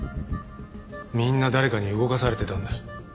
みんな誰かに動かされてたんだ。